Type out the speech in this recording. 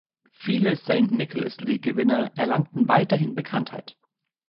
Viele „St. Nicholas League“ Gewinner erlangten weiterhin Bekanntheit.